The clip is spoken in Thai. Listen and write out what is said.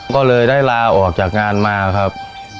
ก็เลยได้ลาออกจากงานมาครับ